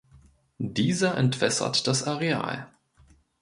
Dieser entwässert das Areal.